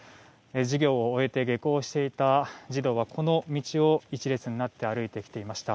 授業を終えて下校していた児童はこの道を１列になって歩いてきていました。